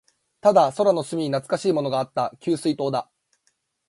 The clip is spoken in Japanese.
ただ、空の隅に懐かしいものがあった。給水塔だ。